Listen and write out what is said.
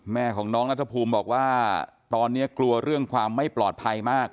แม่ของน้องนัทภูมิบอกว่าตอนนี้กลัวเรื่องความไม่ปลอดภัยมาก